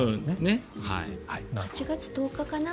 ８月１０日かな。